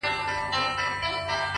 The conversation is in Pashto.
د زغم ځواک د ستونزو فشار کموي.!